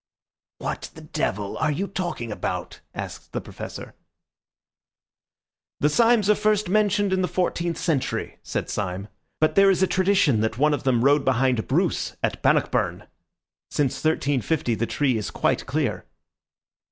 "What the devil are you talking about?" asked the Professor. "The Symes are first mentioned in the fourteenth century," said Syme; "but there is a tradition that one of them rode behind Bruce at Bannockburn. Since 1350 the tree is quite clear."